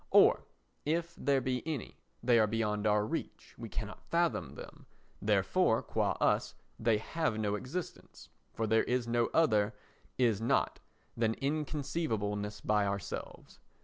Or, if there be any, they are beyond our reach—we cannot fathom them; therefore, qua us, they have no existence, for there is no other "is not" than inconceivableness by ourselves.